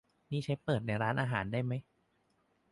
นี่ใช้เปิดในร้านอาหารได้ไหม ?